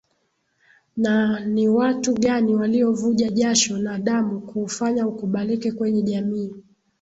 Na ni watu gani waliovuja jasho na damu kuufanya ukubalike kwenye jamii